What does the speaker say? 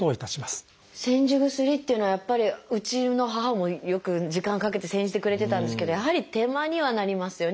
煎じ薬っていうのはやっぱりうちの母もよく時間かけて煎じてくれてたんですけどやはり手間にはなりますよね。